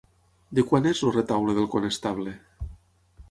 De quan és el Retaule del Conestable?